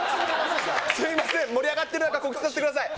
すみません、盛り上がってる中、告知させてください。